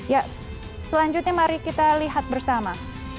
ya selanjutnya mari kita lihat bersama